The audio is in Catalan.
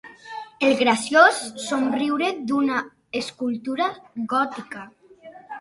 El graciós somriure d'una escultura gòtica.